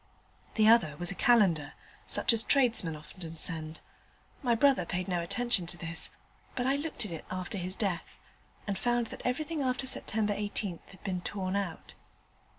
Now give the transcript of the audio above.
The other was a calendar, such as tradesmen often send. My brother paid no attention to this, but I looked at it after his death, and found that everything after Sept. 18 had been torn out.